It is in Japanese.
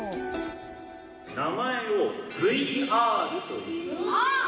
名前をＶＲといいます。